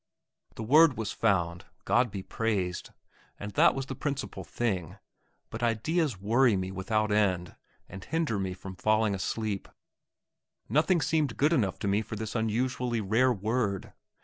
The word was found, God be praised! and that was the principal thing. But ideas worry me without end and hinder me from falling asleep. Nothing seemed good enough to me for this unusually rare word.